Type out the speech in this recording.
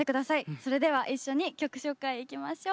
それでは一緒に曲紹介いきましょう。